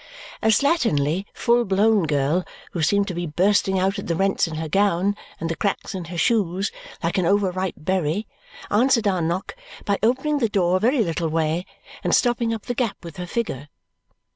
A slatternly full blown girl who seemed to be bursting out at the rents in her gown and the cracks in her shoes like an over ripe berry answered our knock by opening the door a very little way and stopping up the gap with her figure.